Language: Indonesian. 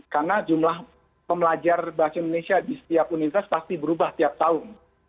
karena jumlah pembelajar bahasa indonesia di setiap universitas pasti berubah tiap tahun